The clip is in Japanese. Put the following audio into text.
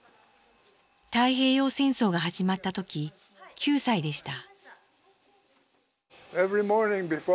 太平洋戦争が始まった時９歳でした。